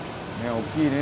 大きいね